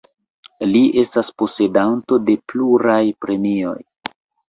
Li estas posedanto de pluraj premioj.